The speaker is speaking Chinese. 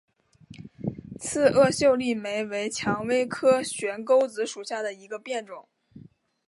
刺萼秀丽莓为蔷薇科悬钩子属下的一个变种。